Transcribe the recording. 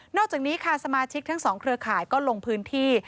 อกจากนี้ค่ะสมาชิกทั้งสองเครือข่ายก็ลงพื้นที่